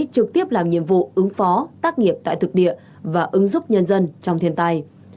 trực tiếp làm nhiệm vụ ứng phó tác nghiệp tại thực địa và ứng giúp nhân dân trong thiên tai